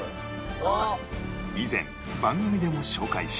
以前番組でも紹介し